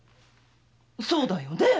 そうだよねェ